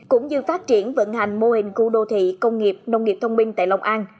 cũng như phát triển vận hành mô hình khu đô thị công nghiệp nông nghiệp thông minh tại long an